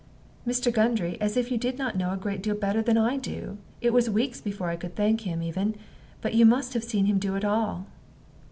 "Mr. Gundry, as if you did not know a great deal better than I do! It was weeks before I could thank him, even. But you must have seen him do it all."